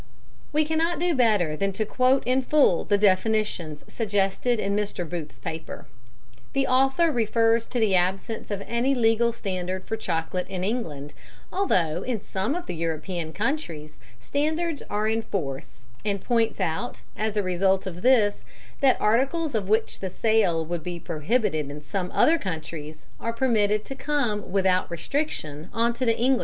We cannot do better than quote in full the definitions suggested in Mr. Booth's paper. The author refers to the absence of any legal standard for chocolate in England, although in some of the European countries standards are in force, and points out, as a result of this, that articles of which the sale would be prohibited in some other countries, are permitted to come without restriction on to the English market.